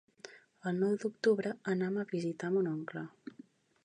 El nou d'octubre anam a visitar mon oncle.